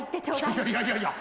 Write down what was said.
いやいやいやいや。